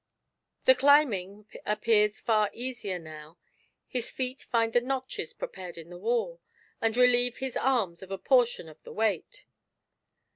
The climbing appears far GIANT SELFISHNESS. 4fl easier now; his feet find the notches prepared in the wall, and relieve his arms of a portion of the weight.